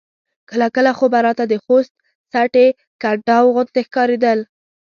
کله کله خو به راته د خوست سټې کنډاو غوندې ښکارېدل.